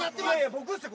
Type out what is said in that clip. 僕ですよ